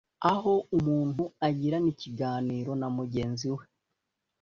aho umuntu agirana ikiganiro na mugenzi we